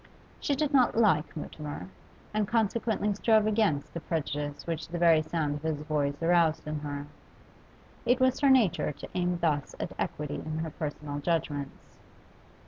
She did not like Mutimer, and consequently strove against the prejudice which the very sound of his voice aroused in her; it was her nature to aim thus at equity in her personal judgments.